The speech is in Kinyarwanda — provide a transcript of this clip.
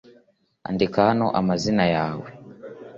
Andika hano amazina yawe